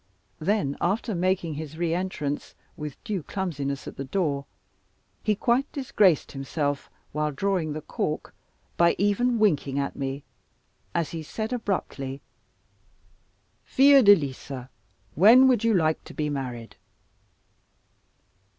Then after making his re entrance, with due clumsiness at the door, he quite disgraced himself, while drawing the cork, by even winking at me, as he said abruptly, "Fiordalisa, when would you like to be married?"